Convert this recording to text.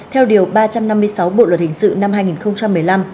theo điều ba trăm năm mươi sáu bộ luật hình sự năm hai nghìn một mươi năm